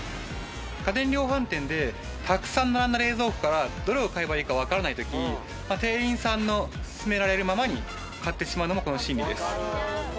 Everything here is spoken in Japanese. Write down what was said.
家電量販店でたくさん並んだ冷蔵庫からどれを買えばいいか分からない時店員さんの薦められるままに買ってしまうのもこの心理です